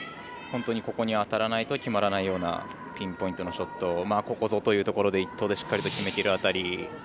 本当にここに当たらないと決まらないようなピンポイントのショットをここぞというところで１投でしっかり決めきるあたり